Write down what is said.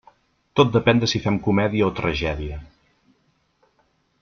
Tot depén de si fem comèdia o tragèdia.